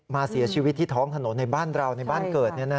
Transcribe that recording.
เสียชีวิตที่ท้องถนนในบ้านเราในบ้านเกิด